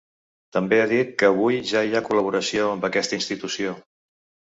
També ha dit que avui ja hi ha col·laboració amb aquesta institució.